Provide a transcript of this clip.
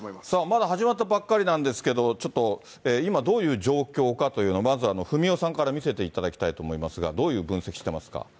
まだ始まったばっかりなんですけれども、ちょっと今、どういう状況かというのを、まず、ふみおさんから見せていただきたいと思いますが、どういう分析してますか？